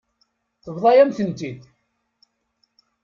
Tebḍa-yam-tent-id.